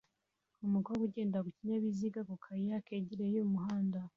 Umukobwa ugendera ku kinyabiziga ku kayira kegereye umuhanda